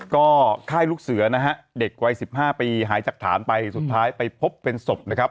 ก็ค่ายลูกเสือนะฮะเด็กวัย๑๕ปีหายจากฐานไปสุดท้ายไปพบเป็นศพนะครับ